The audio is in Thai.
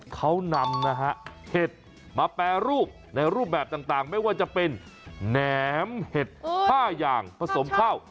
เขานำนะฮะเห็ดมาแปรรูปในรูปแบบต่างไม่ว่าจะเป็นแหนมเห็ด๕อย่างผสมข้าว